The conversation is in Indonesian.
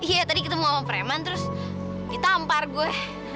iya tadi ketemu sama preman terus ditampar gue